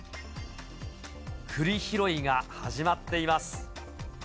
くり拾いが始まっています。